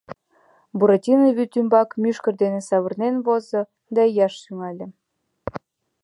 Буратино вӱд ӱмбак мӱшкыр ден савырнен возо да ияш тӱҥале.